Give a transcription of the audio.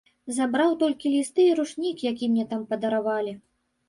Забраў толькі лісты і ручнік, які мне там падаравалі.